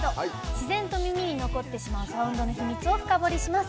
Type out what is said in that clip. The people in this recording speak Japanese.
自然と耳に残ってしまうサウンドの秘密を探ります。